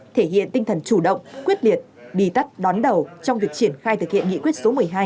thể hiện tinh thần chủ động quyết liệt đi tắt đón đầu trong việc triển khai thực hiện nghị quyết số một mươi hai